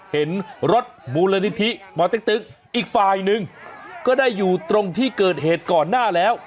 เห็นรถมูลนิธิปเต็กตึ๊กอีกฝ่ายหนึ่งก็ได้อยู่ตรงที่เกิดเหตุก่อนหน้าแล้ว